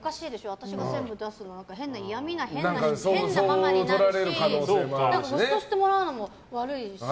私が全部出すのも嫌みな変なママになるしごちそうしてもらうのも悪いし。